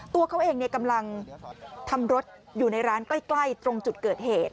ตัวเขาเองกำลังทำรถอยู่ในร้านใกล้ตรงจุดเกิดเหตุ